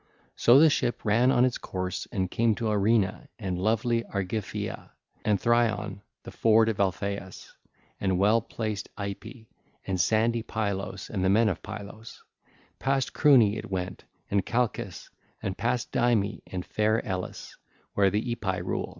So the ship ran on its course and came to Arena and lovely Argyphea and Thryon, the ford of Alpheus, and well placed Aepy and sandy Pylos and the men of Pylos; past Cruni it went and Chalcis and past Dyme and fair Elis, where the Epei rule.